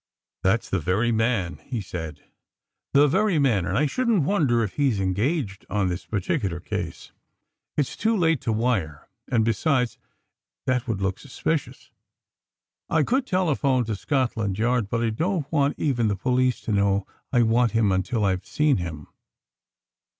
"That's the very man," he said, "the very man, and I shouldn't wonder if he's engaged on this particular case. It's too late to wire, and, besides, that would look suspicious. I could telephone to Scotland Yard, but I don't want even the police to know I want him until I've seen him.